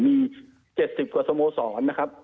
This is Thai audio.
มี๗๐กว่าสโมสรนะครับ